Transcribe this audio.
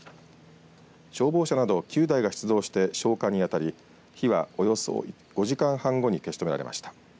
消防車など９台が出動して消火に当たり火はおよそ５時間半後に消し止められました。